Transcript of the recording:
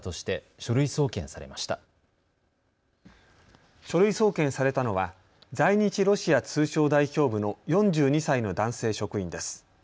書類送検されたのは在日ロシア通商代表部の４２歳の男性職員です。